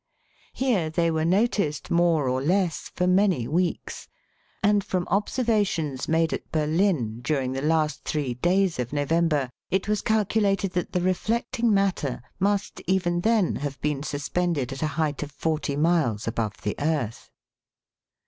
Here they were noticed, more or less, for many weeks ; and from ob servations made at Berlin during the last three days of November, it was calculated that the reflecting matter must even then have been suspended at a height of forty miles above the earth.